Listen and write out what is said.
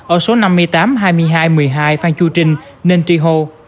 ở số năm mươi tám hai mươi hai một mươi hai phan chu trinh nên tri hô